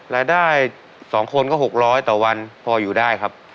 รายได้๒คนก็๖๐๐ต่อวันพออยู่ได้ครับ